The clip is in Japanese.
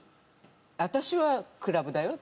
私はクラブだよ